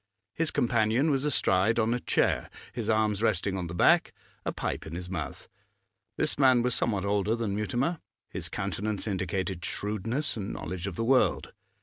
His companion was astride on a chair, his arms resting on the back, a pipe in his mouth. This man was somewhat older than Mutimer; his countenance indicated shrewdness and knowledge of the world.